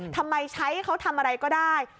ทำไมใช้เขาทำอะไรก็ได้